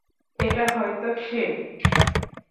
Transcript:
এটা হয়তো সে।